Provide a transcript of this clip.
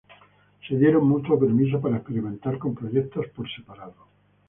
Se dieron mutuo permiso para experimentar con proyectos por separado.